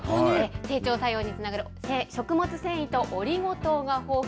整腸作用につながる食物繊維とオリゴ糖が豊富。